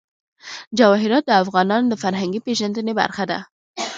جواهرات د افغانانو د فرهنګي پیژندنې برخه ده.